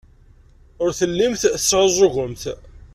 Ur tellimt tesɛuẓẓugemt.